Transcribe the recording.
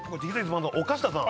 パンの岡下さん